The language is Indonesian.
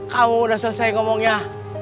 kamu udah selesai ngomongnya